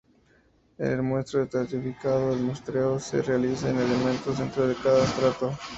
En el muestreo estratificado, el muestreo se realiza en elementos dentro de cada estrato.